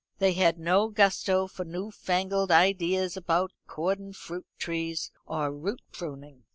They had no gusto for new fangled ideas about cordon fruit trees or root pruning.